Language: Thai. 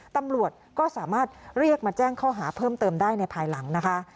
ตำรวจก็สามารถเรียกมาแจ้งข้อหาเพิ่มเติมได้ในภายหลังนะคะ